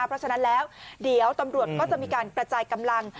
เพราะฉะนั้นแล้วเดี๋ยวตำรวจก็จะมีการกระจายกำลัง